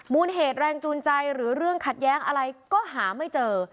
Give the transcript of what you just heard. เหตุแรงจูนใจหรือเรื่องขัดแย้งอะไรก็หาไม่เจอ